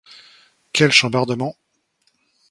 Quel chambardement!